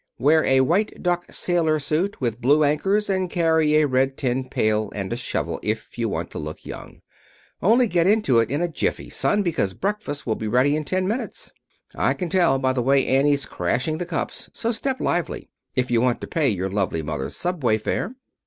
Wear a white duck sailor suit with blue anchors and carry a red tin pail and a shovel, if you want to look young. Only get into it in a jiffy, Son, because breakfast will be ready in ten minutes. I can tell by the way Annie's crashing the cups. So step lively if you want to pay your lovely mother's subway fare."